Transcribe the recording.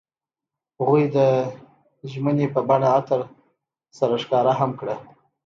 هغوی د ژمنې په بڼه عطر سره ښکاره هم کړه.